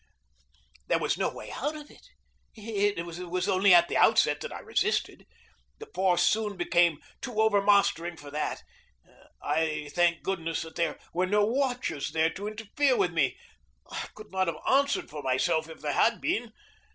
There was no way out of it. It was only at the outset that I resisted. The force soon became too overmastering for that. I thank goodness that there were no watchers there to interfere with me. I could not have answered for myself if there had been.